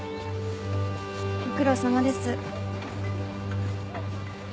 ご苦労さまです。